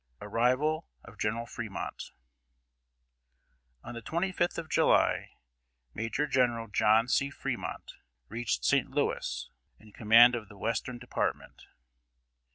[Sidenote: ARRIVAL OF GENERAL FREMONT.] On the 25th of July, Major General John C. Fremont reached St. Louis, in command of the Western Department.